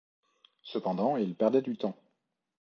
Cependant il perdait du temps.